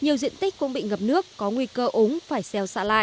nhiều diện tích cũng bị ngập nước có nguy cơ úng phải xeo xạ lại